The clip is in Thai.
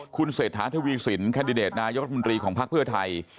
คุณเสธานทวีสินแค่ในเดตนายกรัฐมนตรีของภาคเพือไทย